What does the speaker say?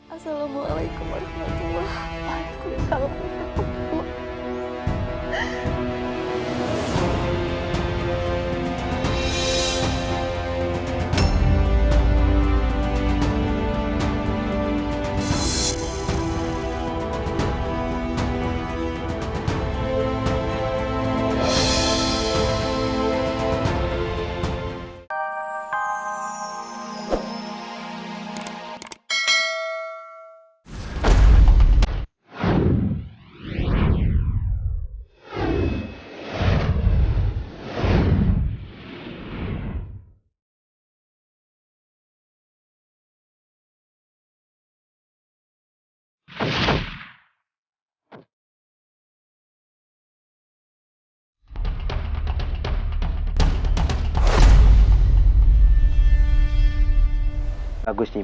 assalamualaikum warahmatullahi wabarakatuh